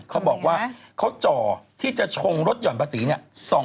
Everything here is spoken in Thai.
เขาบอกว่าเขาจ่อที่จะชงรถหย่อนฝาศรีเนี่ย๒๐๐